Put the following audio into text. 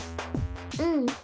うん。